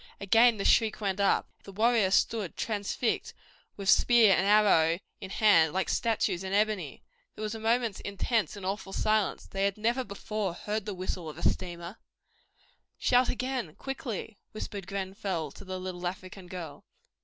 Again the shriek went up. The warriors stood transfixed with spear and arrow in hand like statues in ebony. There was a moment's intense and awful silence. They had never before heard the whistle of a steamer! "Shout again quickly," whispered Grenfell to the little African girl.